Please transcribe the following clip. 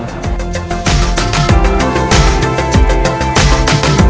เวลาที่สุด